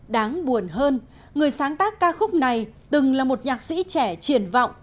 đáng buồn hơn người sáng tác ca khúc này từng là một nhạc sĩ trẻ triển vọng